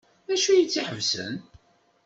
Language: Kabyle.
D acu ay t-iḥebsen?